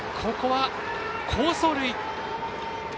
ここは好走塁。